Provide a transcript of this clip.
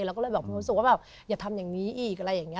เราก็เลยรู้สึกว่าอย่าทำอย่างนี้อีกอะไรอย่างนี้